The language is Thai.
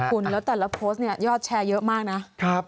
คุณแล้วแต่ละโพสต์เนี่ยยอดแชร์เยอะมากนะ